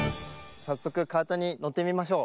さっそくカートにのってみましょう。